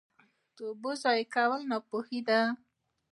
د اوبو ضایع کول ناپوهي ده.